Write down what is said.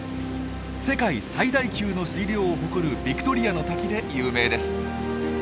世界最大級の水量を誇るビクトリアの滝で有名です。